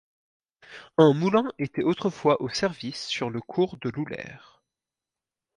Un moulin était autrefois en service sur le cours de l'Oulaire.